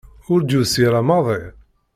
Ur d-yusi ara maḍi.